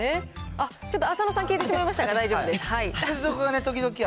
あっ、ちょっと浅野さん消えてしまいましたが大丈夫です。